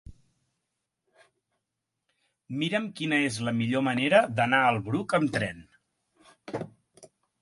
Mira'm quina és la millor manera d'anar al Bruc amb tren.